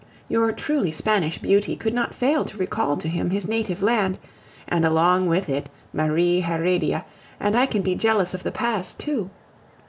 Your truly Spanish beauty could not fail to recall to him his native land, and along with it Marie Heredia, and I can be jealous of the past too.